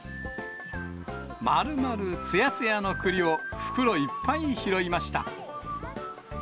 まるまるつやつやのくりを、袋いっぱい拾いました。